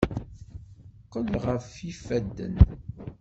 Qqel ɣef yifadden!